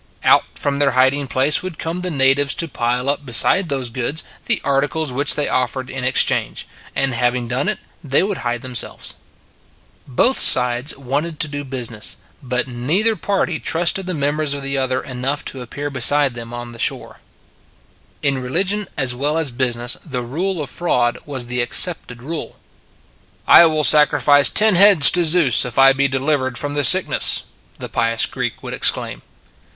Out from their hiding place would come the natives to pile up beside those goods the articles which they offered in exchange, and having done it they would hide them selves. Both sides wanted to do business, but neither party trusted the members of the other enough to appear beside them on the shore. In religion as well as business the rule of fraud was the accepted rule. " I will sacrifice ten heads to Zeus if I be delivered from this sickness," the pious Greek would exclaim.